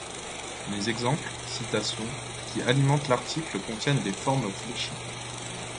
Les exemples, citations, qui alimentent l'article contiennent des formes fléchies.